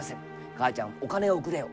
「母ちゃんお金をくれよ」。